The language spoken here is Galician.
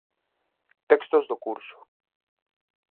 Textos do curso.